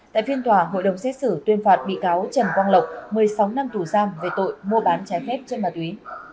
tại phiên tòa hội đồng xế xử tuyên phạt bị cáo trần quang lộc một mươi sáu năm thủ giam về tội mua bán trái phép cho ma túy